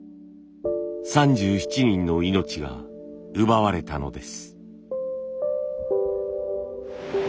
３７人の命が奪われたのです。